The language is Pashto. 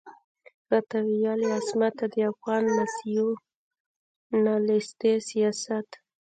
راته ويل يې عصمته د افغان ناسيوناليستي سياست.